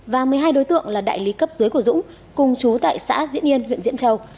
và một mươi hai đối tượng là đại lý cấp dưới của dũng cùng chú tại xã diễn yên huyện diễn châu